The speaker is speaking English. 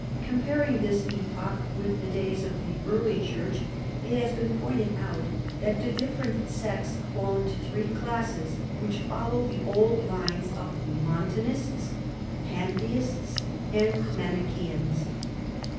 Comparing this epoch with the days of the early church it has been pointed out that the different sects fall into three classes, which follow the old lines of the Montanists, Pantheists, and Manicheans.